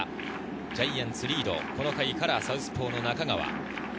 ジャイアンツリード、この回からサウスポーの中川。